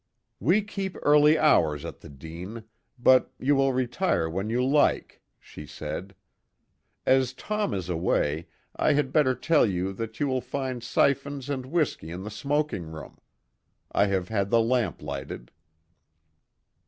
"We keep early hours at the Dene, but you will retire when you like," she said. "As Tom is away, I had better tell you that you will find syphons and whisky in the smoking room. I have had the lamp lighted."